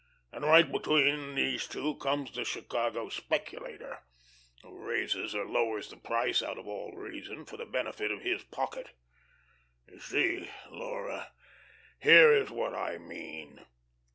And right between these two comes the Chicago speculator, who raises or lowers the price out of all reason, for the benefit of his pocket. You see Laura, here is what I mean."